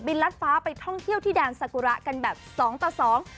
ลัดฟ้าไปท่องเที่ยวที่แดนสกุระกันแบบสองต่อสอง